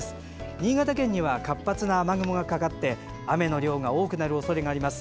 新潟県には活発な雨雲がかかって雨の量が多くなるおそれがあります。